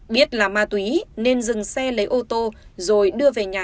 biết là ma túy nên dừng xe lấy ô tô rồi đưa về nhà